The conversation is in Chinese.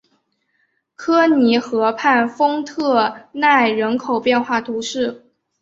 科尼河畔丰特奈人口变化图示